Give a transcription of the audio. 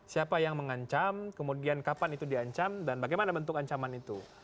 siapa yang mengancam kemudian kapan itu diancam dan bagaimana bentuk ancaman itu